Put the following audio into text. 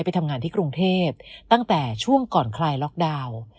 ไปทำงานที่กรุงเทพตั้งแต่ช่วงก่อนคลายล็อกดาวน์